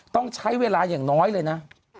ต้องใช้เวลาอย่างน้อยเลยนะ